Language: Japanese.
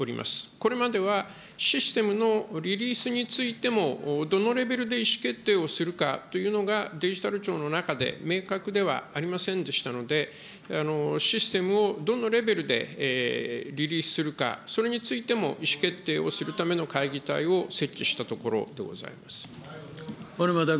これまではシステムのリリースについても、どのレベルで意思決定をするかというのがデジタル庁の中で明確ではありませんでしたので、システムをどのレベルでリリースするか、それについても意思決定をするための会議体を設置したところでご小沼巧君。